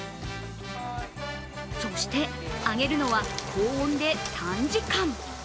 そして揚げるのは、高温で短時間。